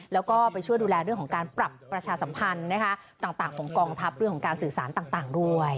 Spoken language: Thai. แล้วก็ไปช่วยดูแลเรื่องของการปรับประชาสัมพันธ์ต่างของกองทัพเรื่องของการสื่อสารต่างด้วย